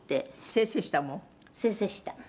「清々した」